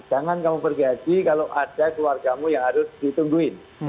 jangan kamu bergaji kalau ada keluargamu yang harus ditungguin